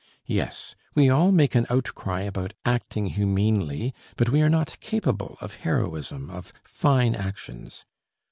"Yes, we all make an outcry about acting humanely, but we are not capable of heroism, of fine actions.